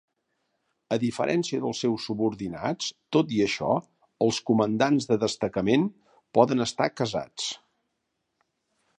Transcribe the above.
A diferència dels seus subordinats, tot i això, els comandants de destacament poden estar casats.